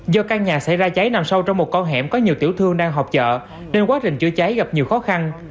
do căn nhà xảy ra cháy nằm sâu trong một con hẻm có nhiều tiểu thương đang học chợ nên quá trình chữa cháy gặp nhiều khó khăn